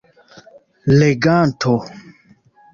leganto